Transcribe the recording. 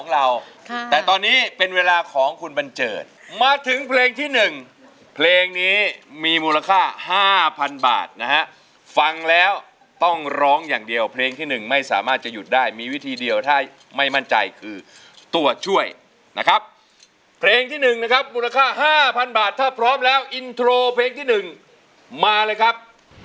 เราค่ะแต่ตอนนี้เป็นเวลาของคุณบัญเจิดมาถึงเพลงที่๑เพลงนี้มีมูลค่า๕๐๐๐บาทนะฮะฟังแล้วต้องร้องอย่างเดียวเพลงที่๑ไม่สามารถจะหยุดได้มีวิธีเดียวถ้าไม่มั่นใจคือตัวช่วยนะครับเพลงที่๑นะครับมูลค่า๕๐๐บาทถ้าพร้อมแล้วอินโทรเพลงที่๑มาเลยครับ